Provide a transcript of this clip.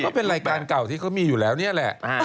เป็นรายการเก่าที่เขามีอยู่แล้วนี่แหละ